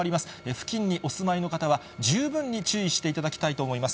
付近にお住まいの方は、十分に注意していただきたいと思います。